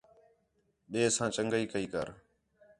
ٻئے ساں چَنڳائی کَئی کر